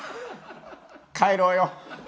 帰ろうよ。